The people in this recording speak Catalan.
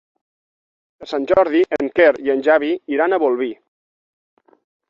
Per Sant Jordi en Quer i en Xavi iran a Bolvir.